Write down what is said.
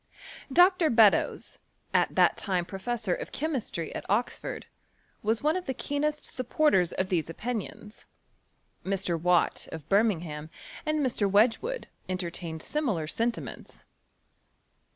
Dr. Beddoea, at that time professorofchemistry at Oxford, was one of the keenest supporters of these opinions. Mr.Watt, of Birmingham, and Mr. Wedge wood, entertained similar sentiments.